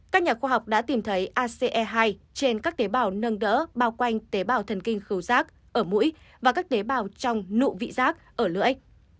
các nhà khoa học đã tìm thấy ace hai trên các tế bào nâng đỡ bao quanh tế bào thần kinh rác ở mũi và các tế bào trong nụ vị giác ở lưỡi